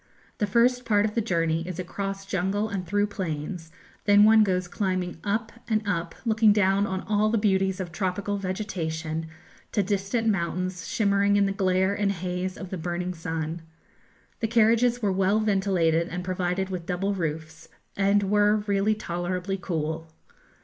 The first part of the journey is across jungle and through plains; then one goes climbing up and up, looking down on all the beauties of tropical vegetation, to distant mountains shimmering in the glare and haze of the burning sun. The carriages were well ventilated and provided with double roofs, and were really tolerably cool.